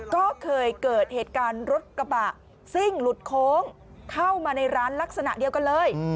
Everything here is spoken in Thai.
ก็เคยเกิดเหตุการณ์รถกระบะซิ่งหลุดโค้งเข้ามาในร้านลักษณะเดียวกันเลย